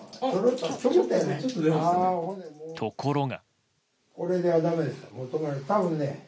ところが。